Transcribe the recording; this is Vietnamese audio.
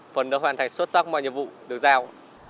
phần đã hoàn thành xuất sắc mọi nhiệm vụ được giao